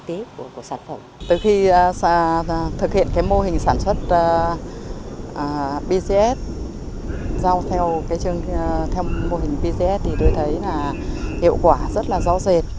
từ khi thực hiện mô hình sản xuất pcs giao theo mô hình pcs thì tôi thấy hiệu quả rất là rõ rệt